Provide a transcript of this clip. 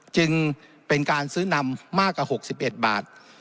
จึงเป็นการซื้อนำมากกว่า๖๑บาท